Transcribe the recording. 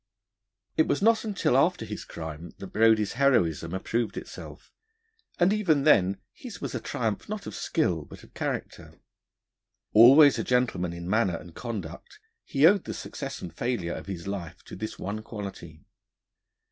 It was not until after his crime that Brodie's heroism approved itself. And even then his was a triumph not of skill but of character. Always a gentleman in manner and conduct, he owed the success and the failure of his life to this one quality.